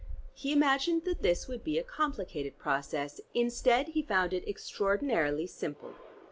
He imagined that this would be a complicated process; instead he found it extraordinarily simple.